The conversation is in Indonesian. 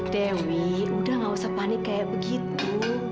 dewi udah gak usah panik kayak begitu